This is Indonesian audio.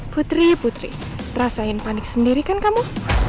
putri putri rasain panik sendiri kan kamu